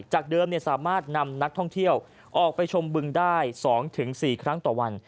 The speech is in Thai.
เดิมสามารถนำนักท่องเที่ยวออกไปชมบึงได้๒๔ครั้งต่อวัน